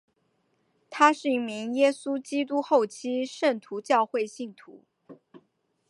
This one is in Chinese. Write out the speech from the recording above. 他是一名耶稣基督后期圣徒教会信徒。